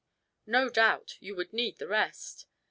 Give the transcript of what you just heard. No doubt you would need the rest.